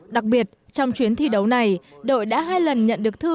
đặc biệt trong chuyến thi đấu này đội đã hai lần nhận được thư